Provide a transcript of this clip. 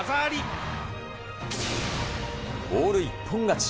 オール一本勝ち。